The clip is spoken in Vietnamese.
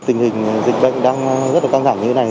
tình hình dịch bệnh đang rất là căng thẳng như thế này